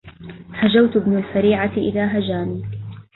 هجوت ابن الفريعة إذ هجاني